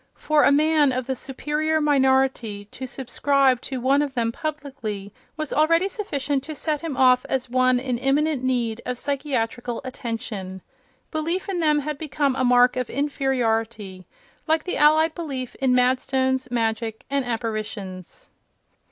For a man of the superior minority to subscribe to one of them publicly was already sufficient to set him off as one in imminent need of psychiatrical attention. Belief in them had become a mark of inferiority, like the allied belief in madstones, magic and apparitions.